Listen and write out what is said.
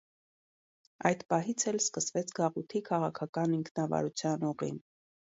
Այդ պահից էլ սկսվեց գաղութի քաղաքական ինքնավարության ուղին։